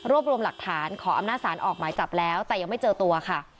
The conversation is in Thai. รวมรวมหลักฐานขออำนาจสารออกหมายจับแล้วแต่ยังไม่เจอตัวค่ะ